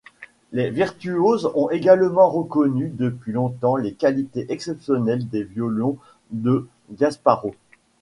Les virtuoses ont également reconnu depuis longtemps les qualités exceptionnelles des violons de Gasparo.